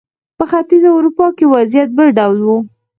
په ختیځه اروپا کې وضعیت بل ډول و.